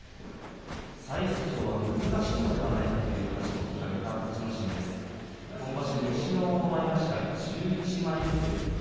再出場は難しいのではないかという話も聞かれた栃ノ心西の前頭１１枚目。